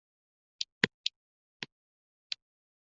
是非疑问句是对命题真值的询问。